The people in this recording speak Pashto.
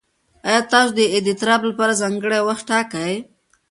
ایا تاسو د اضطراب لپاره ځانګړی وخت ټاکئ؟